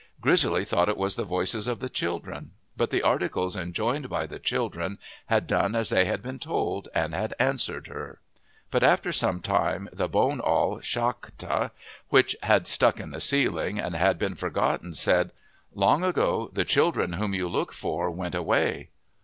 Grizzly thought it was the voices of the children. But the articles enjoined by the children had done as they had been told, and had answered her. But after some time, the bone awl Shakta, which had stuck in the ceiling and had been forgotten, said, " Long ago the children whom you look for went away."